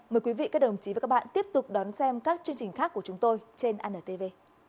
mời quý vị các đồng chí và các bạn tiếp tục đón xem các chương trình khác của chúng tôi trên antv